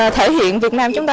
thể hiện việt nam chúng ta